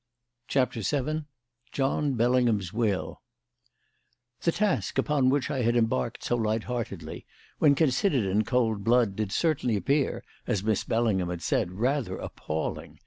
CHAPTER VII JOHN BELLINGHAM'S WILL The task upon which I had embarked so lightheartedly, when considered in cold blood, did certainly appear, as Miss Bellingham had said, rather appalling.